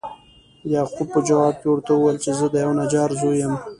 یعقوب په جواب کې ورته وویل چې زه د یوه نجار زوی یم.